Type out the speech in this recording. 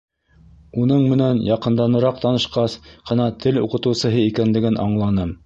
Уның менән яҡынданыраҡ танышҡас ҡына тел уҡытыусыһы икәнлеген аңланым.